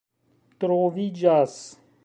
troviĝas